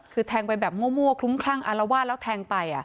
คือแทงไปแบบมั่วคลุ้มคลั่งอารวาสแล้วแทงไป